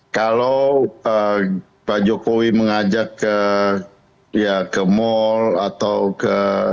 kalau pak jokowi mengajak ke mal atau ke